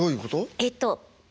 えっと